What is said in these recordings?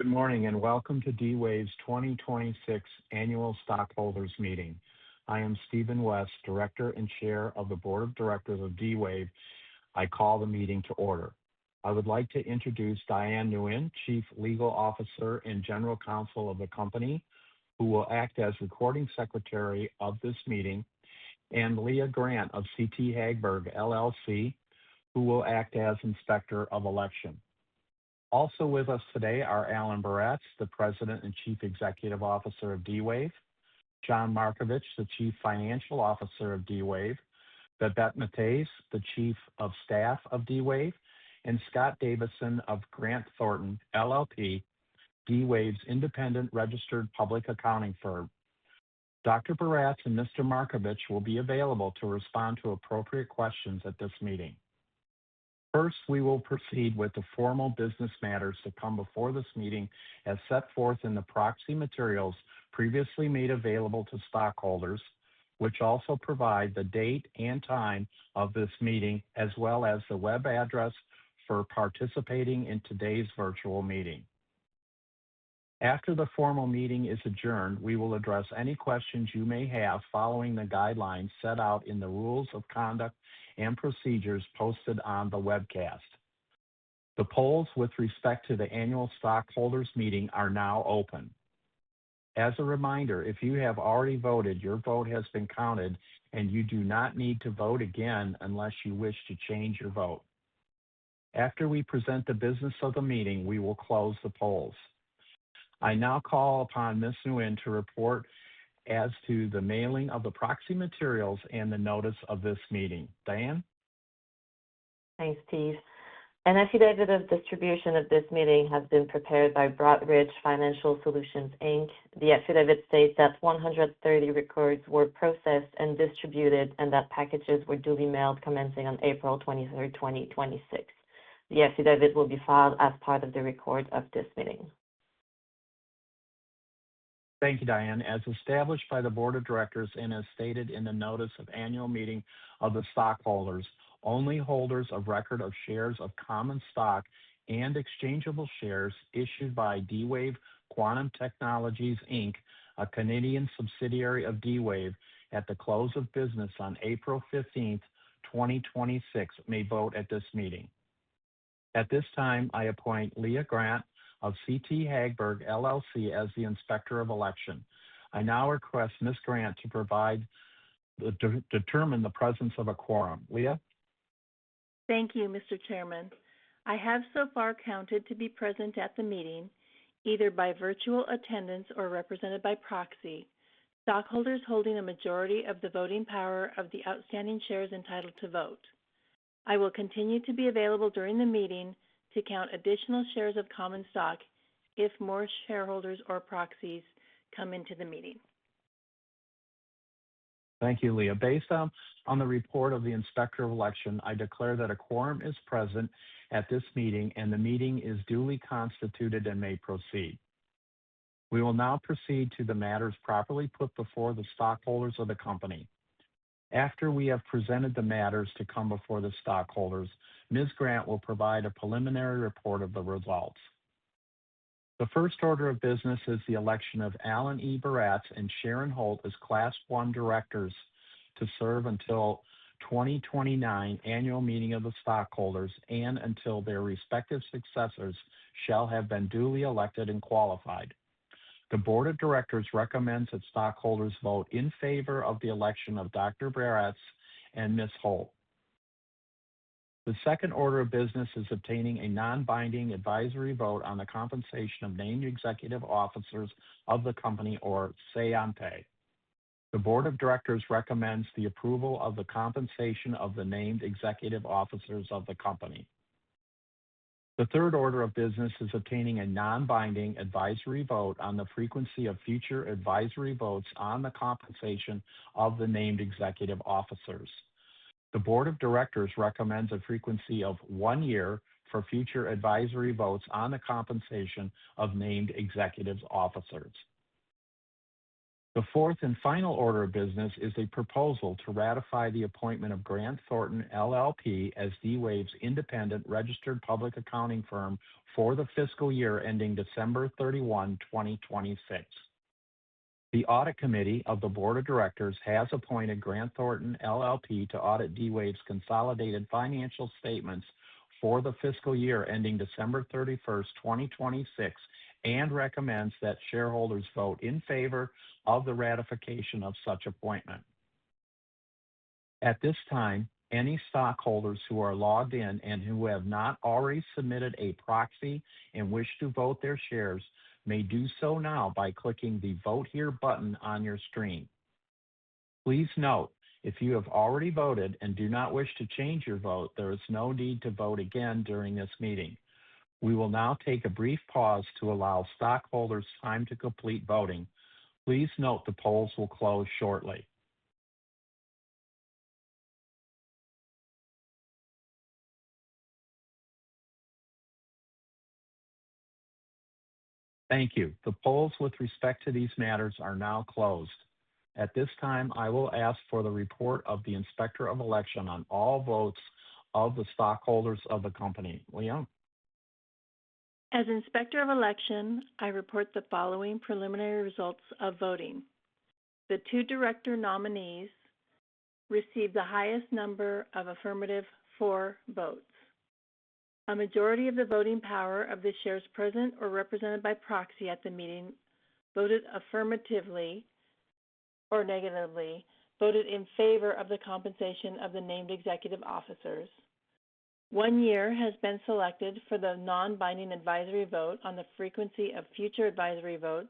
Good morning, welcome to D-Wave's 2026 Annual Stockholders Meeting. I am Steven West, Director and Chair of the Board of Directors of D-Wave. I call the meeting to order. I would like to introduce Diane Nguyen, Chief Legal Officer and General Counsel of the company, who will act as recording secretary of this meeting, and Leah Grant of CT Hagberg LLC, who will act as Inspector of Election. Also with us today are Alan Baratz, the President and Chief Executive Officer of D-Wave, John Markovich, the Chief Financial Officer of D-Wave, Babette Mattheys, the Chief of Staff of D-Wave, and Scott Davidson of Grant Thornton LLP, D-Wave's independent registered public accounting firm. Dr. Baratz and Mr. Markovich will be available to respond to appropriate questions at this meeting. First, we will proceed with the formal business matters to come before this meeting as set forth in the proxy materials previously made available to stockholders, which also provide the date and time of this meeting, as well as the web address for participating in today's virtual meeting. After the formal meeting is adjourned, we will address any questions you may have following the guidelines set out in the rules of conduct and procedures posted on the webcast. The polls with respect to the annual stockholders meeting are now open. As a reminder, if you have already voted, your vote has been counted, and you do not need to vote again unless you wish to change your vote. After we present the business of the meeting, we will close the polls. I now call upon Ms. Nguyen to report as to the mailing of the proxy materials and the notice of this meeting. Diane? Thanks, Steve. An affidavit of distribution of this meeting has been prepared by Broadridge Financial Solutions Inc. The affidavit states that 130 records were processed and distributed, and that packages were duly mailed commencing on April 23rd, 2026. The affidavit will be filed as part of the records of this meeting. Thank you, Diane. As established by the Board of Directors and as stated in the notice of annual meeting of the stockholders, only holders of record of shares of common stock and exchangeable shares issued by D-Wave Quantum Technologies Inc., a Canadian subsidiary of D-Wave, at the close of business on April 15th, 2026, may vote at this meeting. At this time, I appoint Leah Grant of CT Hagberg LLC as the Inspector of Election. I now request Ms. Grant to determine the presence of a quorum. Leah? Thank you, Mr. Chairman. I have so far counted to be present at the meeting, either by virtual attendance or represented by proxy, stockholders holding a majority of the voting power of the outstanding shares entitled to vote. I will continue to be available during the meeting to count additional shares of common stock if more shareholders or proxies come into the meeting. Thank you, Leah. Based on the report of the Inspector of Election, I declare that a quorum is present at this meeting and the meeting is duly constituted and may proceed. We will now proceed to the matters properly put before the stockholders of the company. After we have presented the matters to come before the stockholders, Ms. Grant will provide a preliminary report of the results. The first order of business is the election of Alan E. Baratz and Sharon Holt as Class 1 directors to serve until 2029 Annual Meeting of the Stockholders and until their respective successors shall have been duly elected and qualified. The Board of Directors recommends that stockholders vote in favor of the election of Dr. Baratz and Ms. Holt. The second order of business is obtaining a non-binding advisory vote on the compensation of named executive officers of the company or say on pay. The Board of Directors recommends the approval of the compensation of the named executive officers of the company. The third order of business is obtaining a non-binding advisory vote on the frequency of future advisory votes on the compensation of the named executive officers. The Board of Directors recommends a frequency of one year for future advisory votes on the compensation of named executives officers. The fourth and final order of business is a proposal to ratify the appointment of Grant Thornton LLP as D-Wave's independent registered public accounting firm for the fiscal year ending December 31, 2026. The audit committee of the board of directors has appointed Grant Thornton LLP to audit D-Wave's consolidated financial statements for the fiscal year ending December 31st, 2026 and recommends that shareholders vote in favor of the ratification of such appointment. At this time, any stockholders who are logged in and who have not already submitted a proxy and wish to vote their shares may do so now by clicking the Vote Here button on your screen. Please note, if you have already voted and do not wish to change your vote, there is no need to vote again during this meeting. We will now take a brief pause to allow stockholders time to complete voting. Please note the polls will close shortly. Thank you. The polls with respect to these matters are now closed. At this time, I will ask for the report of the Inspector of Election on all votes of the stockholders of the company. Leah? As Inspector of Election, I report the following preliminary results of voting. The two director nominees received the highest number of affirmative for votes. A majority of the voting power of the shares present or represented by proxy at the meeting voted affirmatively or negatively, voted in favor of the compensation of the named executive officers. One year has been selected for the non-binding advisory vote on the frequency of future advisory votes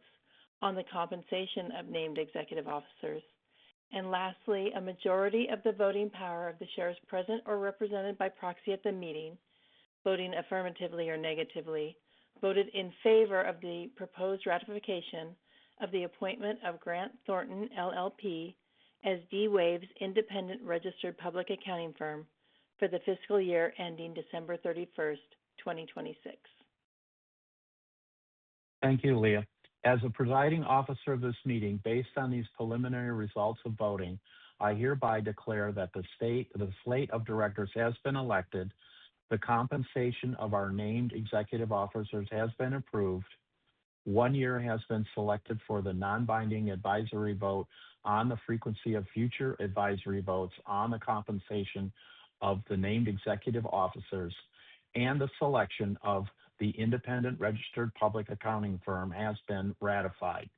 on the compensation of named executive officers. Lastly, a majority of the voting power of the shares present or represented by proxy at the meeting, voting affirmatively or negatively, voted in favor of the proposed ratification of the appointment of Grant Thornton LLP as D-Wave's independent registered public accounting firm for the fiscal year ending December 31st, 2026. Thank you, Leah. As the presiding officer of this meeting, based on these preliminary results of voting, I hereby declare that the slate of directors has been elected, the compensation of our named executive officers has been approved, one year has been selected for the non-binding advisory vote on the frequency of future advisory votes on the compensation of the named executive officers, and the selection of the independent registered public accounting firm has been ratified.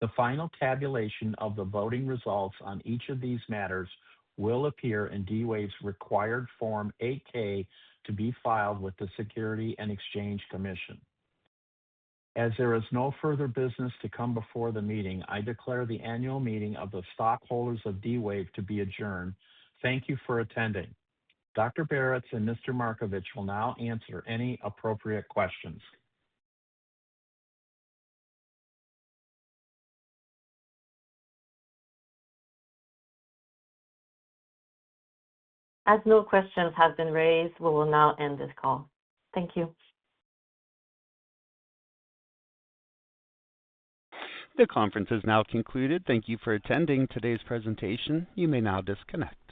The final tabulation of the voting results on each of these matters will appear in D-Wave's required Form 8-K to be filed with the Securities and Exchange Commission. As there is no further business to come before the meeting, I declare the annual meeting of the stockholders of D-Wave to be adjourned. Thank you for attending. Dr. Baratz and Mr. Markovich will now answer any appropriate questions. As no questions have been raised, we will now end this call. Thank you. The conference has now concluded. Thank you for attending today's presentation. You may now disconnect.